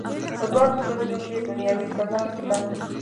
په دواړو صورتونو کي دنیاوي سزا نسته.